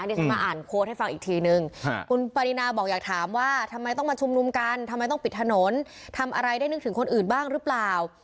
ที่ฉันมาอ่านโค้ดให้ฟังอีกทีนึงคุณปรินาบอกอยากถามว่าทำไมต้องมาชุมนุมกันทำไมต้องปิดถนนทำอะไรได้นึกถึงคนอื่นบ้างหรือเปล่า